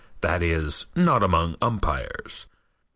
That is, not among umpires.